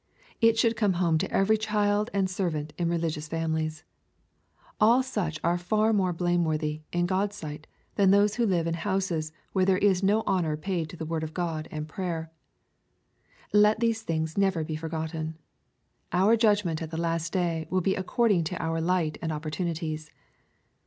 — It should come home to every child and servant in religious families. All such are far more blameworthy, in God's sight, than those who live in bouses where there is no honor paid to the word of God and prayer. Let these things never be forgotten. Our judgment at the last day will be according to our light and opportunities.